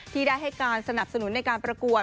ที่ได้ให้การสนับสนุนในการประกวด